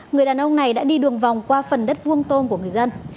người đàn ông này đã đi đường vòng qua phần đất vuông tôm của người dân